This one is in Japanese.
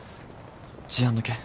事案の件。